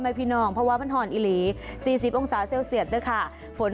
ฮัลโหลฮัลโหลฮัลโหล